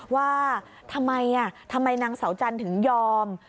ว่าทำไมทำไมนางเสาจันทร์ถึงยอม